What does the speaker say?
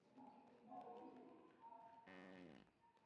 rais prevel amewataka waandamanaji hao hasa katika mji wa cape haitian